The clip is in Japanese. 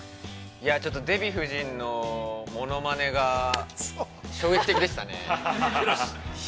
◆ちょっとデヴィ夫人のモノマネが、衝撃的でしたね。